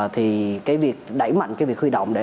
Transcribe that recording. thì cái việc đẩy mạnh cái việc khuy động